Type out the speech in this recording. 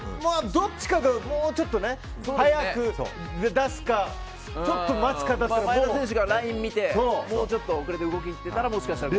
どっちかがもうちょっと早く出すか前田選手がラインを見てもうちょっと遅れて動きにいっていたら。